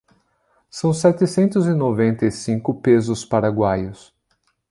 São setecentos e noventa e cinco pesos paraguaios